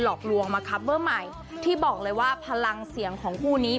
หลอกลวงมาคับเบอร์ใหม่ที่บอกเลยว่าพลังเสียงของคู่นี้